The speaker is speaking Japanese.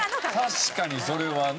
確かにそれはな。